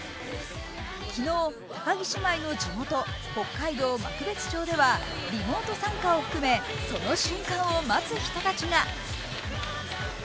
昨日、高木姉妹の地元北海道幕別町ではリモート参加を含めその瞬間を待つ人たちが。